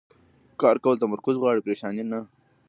کار کول تمرکز غواړي، پریشاني نه.